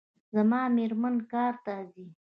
زما میرمن کار ته ځي